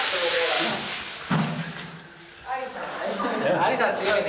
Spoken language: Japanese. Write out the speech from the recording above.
アリさん強いね。